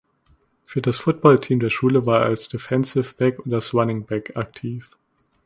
Für das Footballteam der Schule war er als Defensive Back und als Runningback aktiv.